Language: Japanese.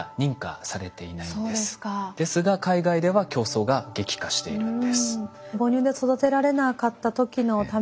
ですが海外では競争が激化しているんです。